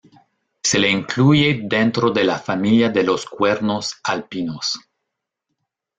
Se le incluye dentro de la familia de los "cuernos alpinos".